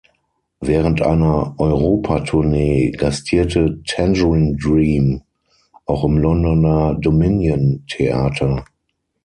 Während einer Europatournee gastierte Tangerine Dream auch im Londoner Dominion Theater.